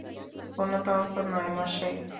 কোন তর্ক নয়, মশাই।